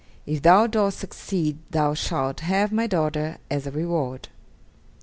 If thou dost succeed thou shalt have my daughter as a reward."